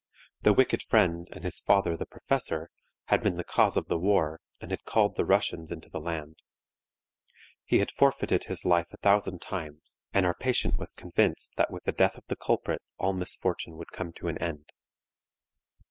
The wicked friend, and his father the professor, had been the cause of the war and had called the Russians into the land. He had forfeited his life a thousand times and our patient was convinced that with the death of the culprit all misfortune would come to an end.